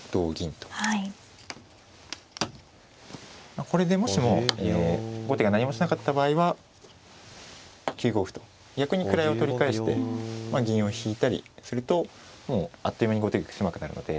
まあこれでもしも後手が何もしなかった場合は９五歩と逆に位を取り返してまあ銀を引いたりするともうあっという間に後手玉狭くなるので。